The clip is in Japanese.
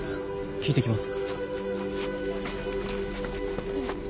聞いてきます。